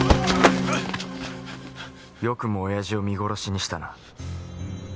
よくも親父を見殺しにしたな。